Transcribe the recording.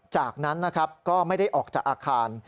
จากนั้นก็ไม่ได้ออกจากอาคาร